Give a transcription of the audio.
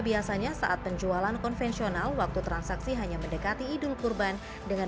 biasanya saat penjualan konvensional waktu transaksi hanya mendekati idul kurban dengan